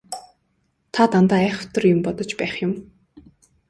Та дандаа айхавтар бодож байх юм.